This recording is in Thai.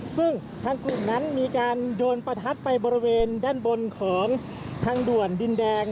ซึ่งทางกลุ่มนั้นมีการโยนประทัดไปบริเวณด้านบนของทางด่วนดินแดง